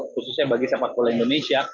khususnya bagi sepak bola indonesia